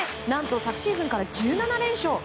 何と昨シーズンから１７連勝。